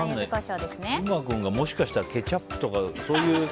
優馬君がもしかしたらケチャップとかそういう。